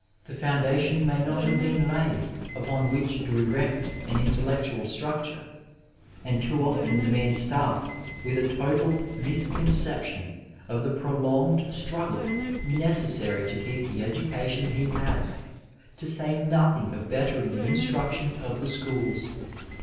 The foimda tion may not have been laid upon which to erect an intel lectual structure, and too often the man starts with a total misconception of the prolonged struggle necessary to keep the educaticm he has, to say notiiing of bettering the instruction of the schools.